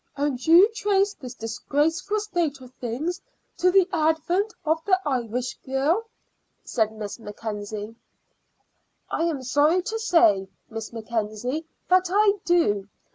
"And you trace this disgraceful state of things to the advent of the Irish girl?" said Miss Mackenzie. "I am sorry to say, Miss Mackenzie, that I do.